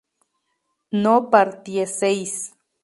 no partieseis